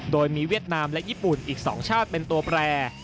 โดยมีเวียดนามและญี่ปุ่นอีก๒ชาติเป็นตัวแปร